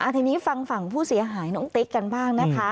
ทีนี้ฟังฝั่งผู้เสียหายน้องติ๊กกันบ้างนะคะ